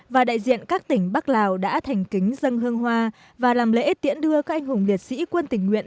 và đại diện các tỉnh bắc lào đã thành kính dân hương hoa và làm lễ tiễn đưa các anh hùng liệt sĩ quân tỉnh nguyện